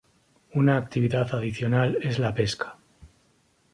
Una actividad adicional es la pesca.